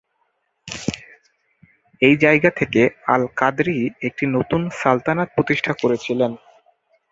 এই জায়গা থেকে আল-কাদরি একটি নতুন সালতানাত প্রতিষ্ঠা করেছিলেন।